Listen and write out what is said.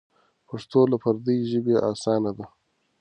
پښتو له پردۍ ژبې اسانه ده.